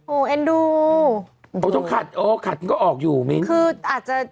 โอ้โหเอ็นดูโอ้ต้องขัดโอ้ขัดมันก็ออกอยู่มิ้นคืออาจจะ